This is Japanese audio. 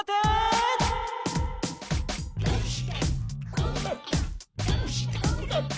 こうなった？